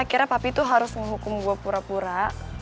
akhirnya papi tuh harus ngehukum gue pura pura